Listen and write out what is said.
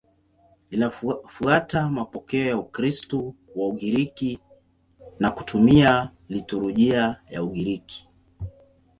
Linafuata mapokeo ya Ukristo wa Ugiriki na kutumia liturujia ya Ugiriki.